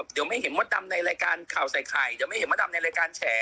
เดี๋ยวไม่เห็นมดดำในรายการข่าวใส่ไข่เดี๋ยวไม่เห็นมดดำในรายการแฉ